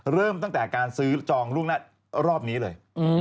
เริ่มตั้งแต่การซื้อจองล่วงหน้ารอบนี้เลย